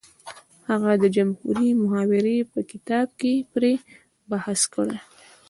هغه د جمهوري محاورې په کتاب کې پرې بحث کړی دی